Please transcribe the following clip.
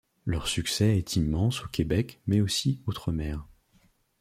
Leur succès est immense au Québec mais aussi outre-mer.